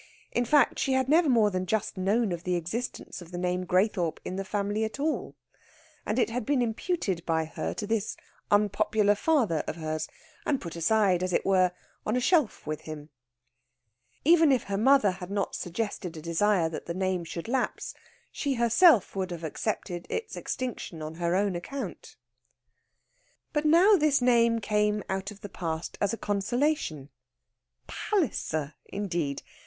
In fact, she had never more than just known of the existence of the name Graythorpe in her family at all, and it had been imputed by her to this unpopular father of hers, and put aside, as it were, on a shelf with him. Even if her mother had not suggested a desire that the name should lapse, she herself would have accepted its extinction on her own account. But now this name came out of the past as a consolation. Palliser indeed!